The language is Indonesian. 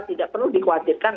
tidak perlu dikhawatirkan